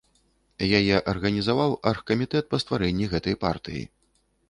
Яе арганізаваў аргкамітэт па стварэнні гэтай партыі.